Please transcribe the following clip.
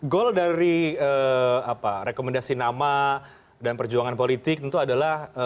goal dari rekomendasi nama dan perjuangan politik tentu adalah